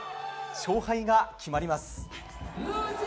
勝敗が決まります。